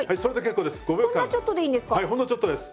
こんなちょっとでいいんですか？